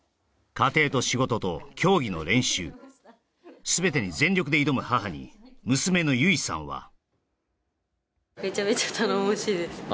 家庭と仕事と競技の練習全てに全力で挑む母に娘の唯さんはああ